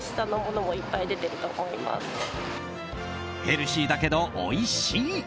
ヘルシーだけどおいしい。